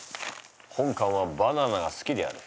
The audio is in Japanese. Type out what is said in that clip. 本官はバナナが好きである。